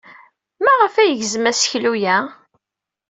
Maɣef ay yegzem aseklu-a?